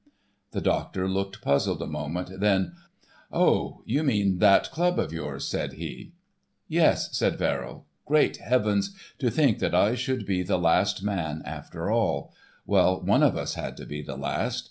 The doctor looked puzzled a moment; then—"Oh! you mean that club of yours," said he. "Yes," said Verrill, "Great heavens! to think that I should be the last man after all—well, one of us had to be the last.